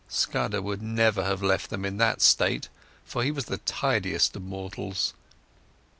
Scudder would never have left them in that state, for he was the tidiest of mortals.